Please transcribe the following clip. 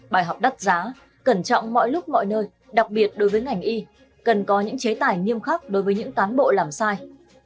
bài học đắt giá cẩn trọng mọi lúc mọi nơi đặc biệt đối với ngành y cần có những chế tài nghiêm khắc đối với những cán bộ làm sai